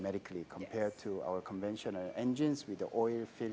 dibandingkan dengan mesin konvensional kami dengan filter minyak